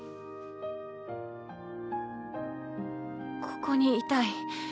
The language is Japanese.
ここにいたい。